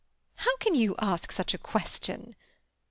"How can you ask such a question?"